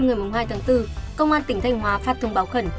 ngày hai tháng bốn công an tỉnh thanh hóa phát thông báo khẩn